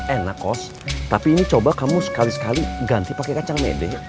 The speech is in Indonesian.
enak kos tapi ini coba kamu sekali sekali ganti pakai kacang mede